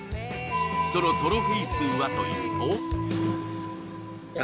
そのトロフィー数はというと。